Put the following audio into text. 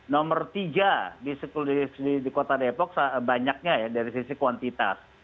nomor tiga di kota depok banyaknya ya dari sisi kuantitas